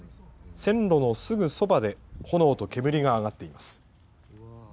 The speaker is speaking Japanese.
線路のすぐそばで炎と煙が上がっています。